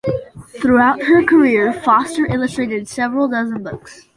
Throughout her career Foster illustrated several dozen books.